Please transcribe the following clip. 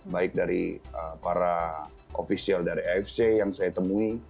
baik dari para ofisial dari afc yang saya temui